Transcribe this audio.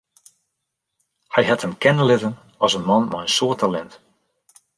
Hy hat him kenne litten as in man mei in soad talint.